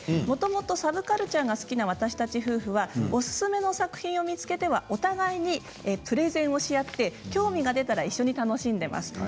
もともとサブカルチャーが好きな私たち夫婦はおすすめの作品を見つけては、お互いにプレゼンし合って、興味が出たら一緒に見て楽しんでいます。